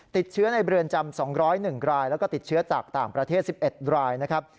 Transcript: ติดเชื้อในเรือนจำ๒๐๑รายแล้วก็ติดเชื้อจากต่างประเทศ๑๑รายนะครับ